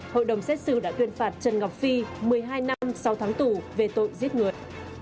hội đồng xét xử đã tuyên phạt trần ngọc phi một mươi hai năm sau tháng tù về tội giết người